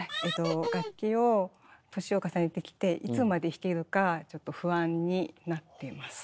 楽器を年を重ねてきていつまで弾けるかちょっと不安になってます。